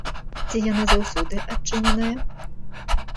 Ці яна заўсёды адчыненая?